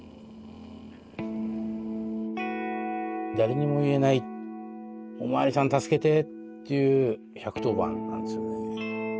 誰にも言えない「おまわりさん助けて」っていう１１０番なんですよねえ。